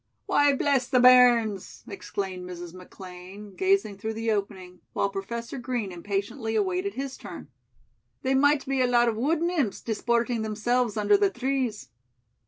"Why, bless the bairns," exclaimed Mrs. McLean, gazing through the opening, while Professor Green impatiently awaited his turn. "They might be a lot of wood nymphs disporting themselves under the trees."